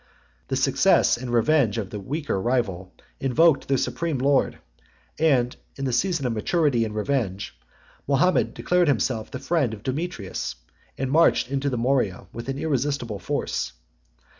The distress and revenge of the weaker rival invoked their supreme lord; and, in the season of maturity and revenge, Mahomet declared himself the friend of Demetrius, and marched into the Morea with an irresistible force.